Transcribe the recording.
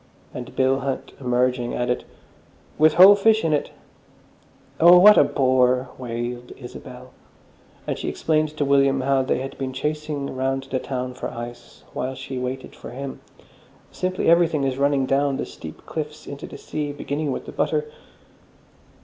And Bill Hunt, emerging, added, "With whole fish in it." "Oh, what a bore!" wailed Isabel. And she explained to William how they had been chasing round the town for ice while she waited for him. "Simply everything is running down the steep cliffs into the sea, beginning with the butter."